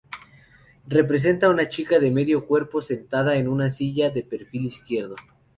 Representa una chica de medio cuerpo, sentada en una silla, de perfil izquierdo.